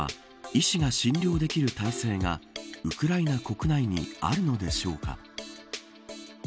医師が診療できる体制がウクライナ国内にあるのでしょうか。